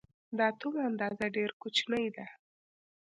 د اتوم اندازه ډېره کوچنۍ ده.